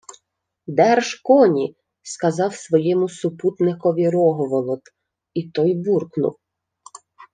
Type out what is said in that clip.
— Держ коні! — сказав своєму супутникові Рогволод, і той буркнув: